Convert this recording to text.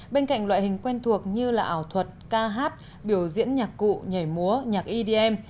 bên cạnh loại hình quen thuộc như ảo thuật ca hát biểu diễn nhạc cụ nhảy múa nhạc edm